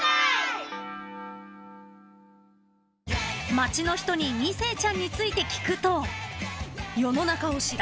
［街の人に２世ちゃんについて聞くと］